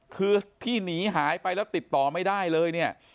คือที่หนีหายไปแล้วติดต่อไม่ได้เลยเนี่ย